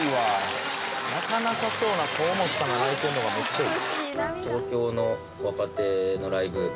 「泣かなさそうな河本さんが泣いてんのがむっちゃいい」